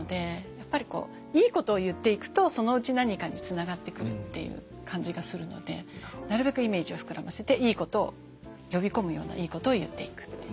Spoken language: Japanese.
やっぱりいいことを言っていくとそのうち何かにつながってくるっていう感じがするのでなるべくイメージを膨らませていいことを呼び込むようないいことを言っていくっていう。